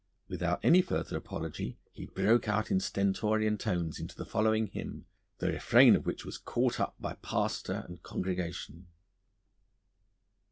Without any further apology he broke out in stentorian tones into the following hymn, the refrain of which was caught up by pastor and congregation.